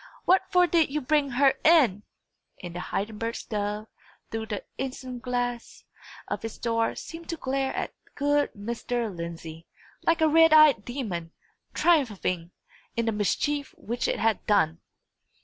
What for did you bring her in?" And the Heidenberg stove, through the isinglass of its door, seemed to glare at good Mr. Lindsey, like a red eyed demon, triumphing in the mischief which it had done!